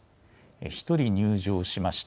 １人入場しました。